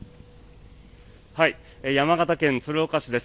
山形県鶴岡市です。